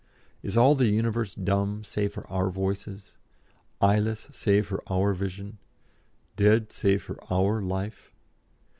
Is all the universe dumb save for our voices? eyeless save for our vision? dead save for our life?